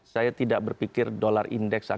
saya tidak berpikir dolar indeks